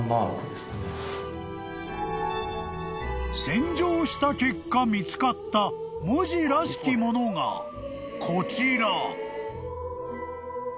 ［洗浄した結果見つかった文字らしきものがこちら］